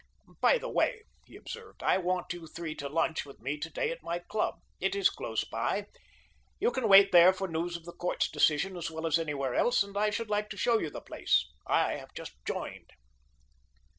"By the way," he observed, "I want you three to lunch with me to day at my club. It is close by. You can wait there for news of the court's decision as well as anywhere else, and I should like to show you the place. I have just joined."